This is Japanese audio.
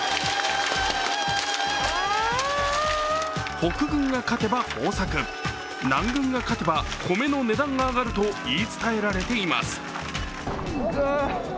北軍が勝てば豊作、南軍が勝てば米の値段が上がると言い伝えられています。